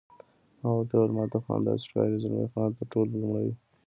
ما ورته وویل: ما ته خو همداسې ښکاري، زلمی خان: تر ټولو لومړی.